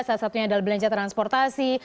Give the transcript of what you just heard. salah satunya adalah belanja transportasi